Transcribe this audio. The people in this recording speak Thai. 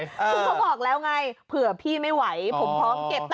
ซึ่งเขาบอกแล้วไงเผื่อพี่ไม่ไหวผมพร้อมเก็บนะ